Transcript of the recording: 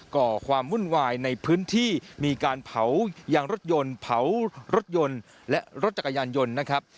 ก่อความวุ่นวายในพื้นที่มีการเผายางรถยนต์เผารถยนต์และรถจักรยานยนต์นะครับ